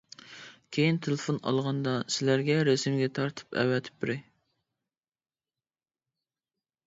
كېيىن تېلېفون ئالغاندا سىلەرگە رەسىمگە تارتىپ ئەۋەتىپ بېرەي.